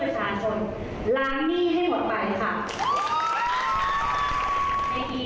เราสามารถทำงานเร่วไว้